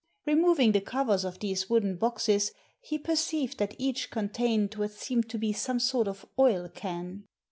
Removing the covers of these wooden boxes he perceived that each contained what seemed to be some sort of oil can.